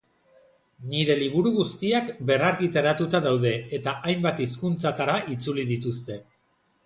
Nire liburu guztiak berrargitaratuta daude eta hainbat hizkuntzatara itzuli dituzte.